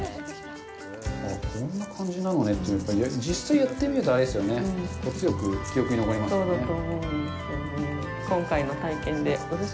こんな感じなのねというか、実際やってみると、あれですよね、強く記憶に残りますね。